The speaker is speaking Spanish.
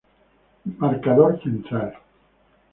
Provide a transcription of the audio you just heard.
Marcador central.